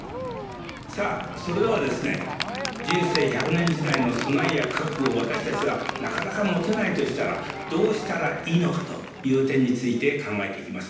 さあそれではですね人生１００年時代の備えや覚悟を私たちはなかなか持てないとしたらどうしたらいいのかという点について考えていきます。